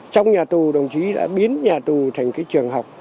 trong nhà tù đồng chí đã biến nhà tù thành trường học